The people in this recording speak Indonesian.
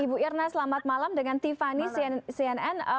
ibu irna selamat malam dengan tiffany cnn